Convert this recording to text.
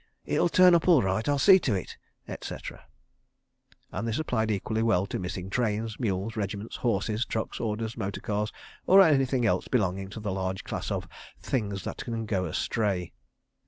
It'll turn up all right. I'll see to it ..." etc., and this applied equally well to missing trains, mules, regiments, horses, trucks, orders, motor cars or anything else belonging to the large class of Things That Can Go Astray.